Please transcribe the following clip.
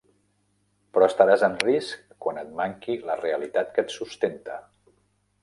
Però estaràs en risc quan et manqui la realitat que et sustenta.